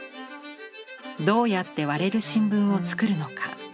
どうやって割れる新聞を作るのか。